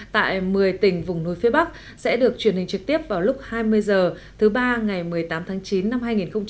tại một mươi tỉnh vùng núi phía bắc sẽ được truyền hình trực tiếp vào lúc hai mươi h thứ ba ngày một mươi tám tháng chín năm hai nghìn hai mươi